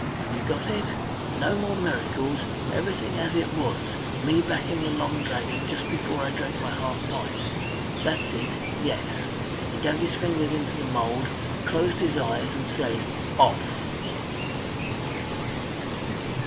Have you got it? No more miracles, everything as it was me back in the Long Dragon just before I drank my half pint. That's it! Yes." He dug his fingers into the mould, closed his eyes, and said "Off!"